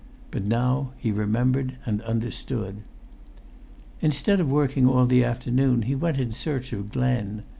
But now he remembered and understood. Instead of working all the afternoon, he went in search of Glen.